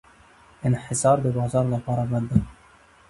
انحصار د بازار لپاره بد دی.